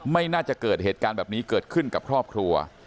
ไม่น่าจะเกิดเหตุการณ์แบบนี้เกิดขึ้นกับครอบครัว